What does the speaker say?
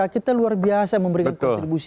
kita luar biasa memberikan kontribusi